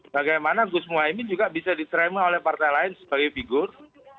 bagaimana gus muhaymin juga bisa diterima oleh partai lain sebagai figur